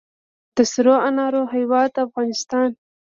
د سرو انارو هیواد افغانستان.